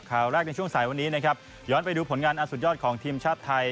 ข่าวแรกในช่วงสายวันนี้นะครับย้อนไปดูผลงานอันสุดยอดของทีมชาติไทย